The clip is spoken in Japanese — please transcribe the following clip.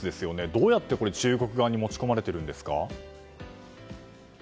どうやって中国側に持ち込まれているんですか？